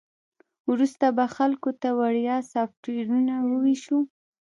وروسته به خلکو ته وړیا سافټویرونه وویشو